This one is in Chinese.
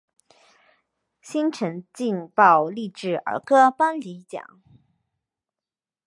新城劲爆励志儿歌颁奖礼。